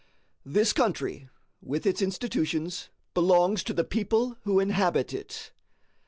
This country, with its institutions, belongs to the people who inhabit it.